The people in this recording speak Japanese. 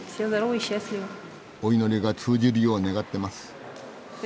お祈りが通じるよう願ってます。